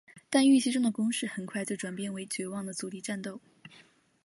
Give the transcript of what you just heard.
但预期中的攻势很快就转变成绝望的阻敌战斗。